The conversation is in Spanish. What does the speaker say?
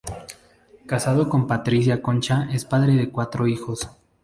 Casado con Patricia Concha, es padre de cuatro hijos.